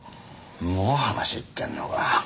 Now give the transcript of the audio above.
もう話いってんのか。